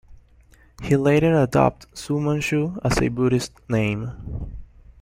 He later adopted Su Manshu as a Buddhist name.